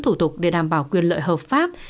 thủ tục để đảm bảo quyền lợi hợp pháp